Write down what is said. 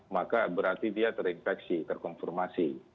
maka berarti dia terinfeksi terkonfirmasi